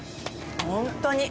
本当に。